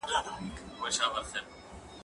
زه پرون کښېناستل وکړې،